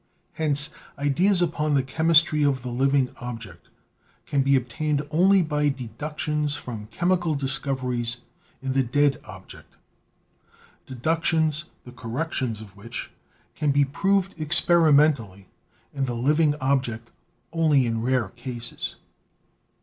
Hence ideas upon the chemistry of the living object can be obtained only by deductions from chemical discoveries in the dead object, deductions the correctness of which can be proved experimentally in the living object only in rare cases.